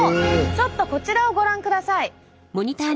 ちょっとこちらをご覧ください！